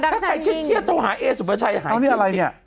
ถ้าไปคิดเข้าหาเอสสุประชัยหายดี